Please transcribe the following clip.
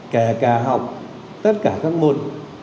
kể cả học tất cả các môn